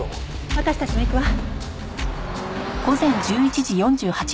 私たちも行くわ。